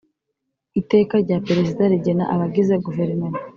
Iteka rya Perezida rigena abagize guverinoma